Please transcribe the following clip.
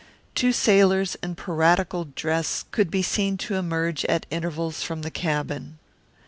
Two sailors in piratical dress could be seen to emerge at intervals from the cabin.